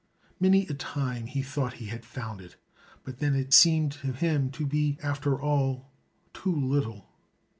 Many a time he thought he had found it, but then it seemed to him to be, after all, too little.